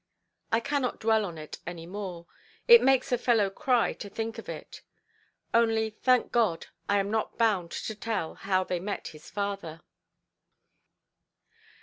I cannot dwell on it any more; it makes a fellow cry to think of it. Only, thank God, that I am not bound to tell how they met his father.